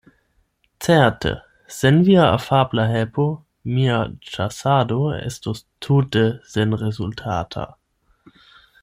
Certe, sen via afabla helpo mia ĉasado estus tute senrezultata.